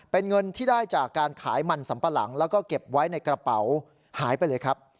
เป็นเงินที่ได้จากการขายมันสัมปะหลังแล้วก็เก็บไว้ในกระเป๋าหายไปเลยครับ